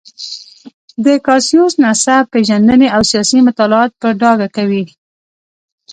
د کاسیوس نسب پېژندنې او سیاسي مطالعات په ډاګه کوي.